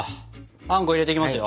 あんこ入れていきますよ。